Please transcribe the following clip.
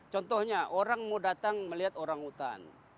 contohnya orang mau datang melihat orang hutan